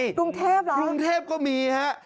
กรุงเทพย์หรอหรือกรุงเทพย์ก็มีครับ